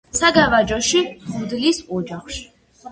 საგარეჯოში, მღვდლის ოჯახში.